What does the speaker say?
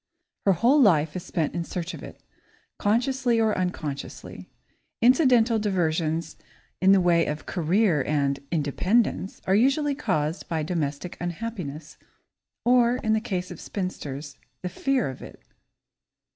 Her whole life is spent in search of it, consciously or unconsciously. Incidental diversions in the way of "career" and "independence" are usually caused by domestic unhappiness, or, in the case of spinsters, the fear of it.